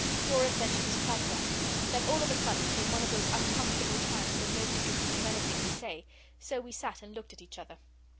Dora said she was quite right; then all of a sudden came one of those uncomfortable times when nobody can think of anything to say, so we sat and looked at each other.